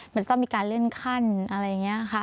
มันต้องมีการเลื่อนขั้นอะไรอย่างนี้ค่ะ